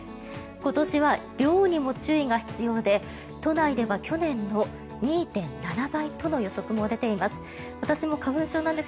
今年は量にも注意が必要で都内では去年の２．７倍との予測も出ています。